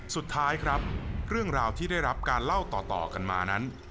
สุดท้ายครับเรื่องราวที่ได้รับการเล่าต่อกันมานั้น